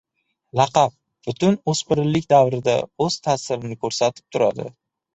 Laqab butun o‘spirinlik davrida o‘z ta’sirini ko‘rsatib turadi.